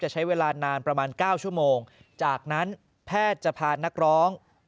ใช้เวลานานประมาณ๙ชั่วโมงจากนั้นแพทย์จะพานักร้อง